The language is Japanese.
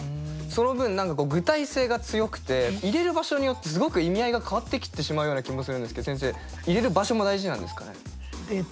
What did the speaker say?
その分何か具体性が強くて入れる場所によってすごく意味合いが変わってきてしまうような気もするんですけど先生入れる場所も大事なんですかね？